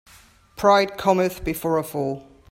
Pride cometh before a fall.